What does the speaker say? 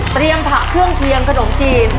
เตรียมผักเครื่องเคียงขนมจีน